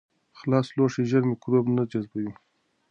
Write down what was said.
خلاص لوښي ژر میکروبونه جذبوي.